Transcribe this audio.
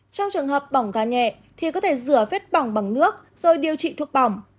trong trường hợp bỏng gà nhẹ thì có thể rửa vết bỏng bằng nước rồi điều trị thuốc bỏng